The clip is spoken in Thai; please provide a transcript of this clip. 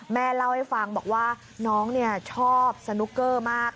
แม่เล่าให้ฟังบอกว่าน้องชอบสนุกเกอร์มาก